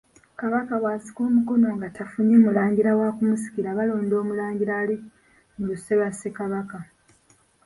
Kabaka bw’akisa omukono nga tafunye mulangira wa kumusikira balonda Omulangira ali mu luse lwa Ssekabaka.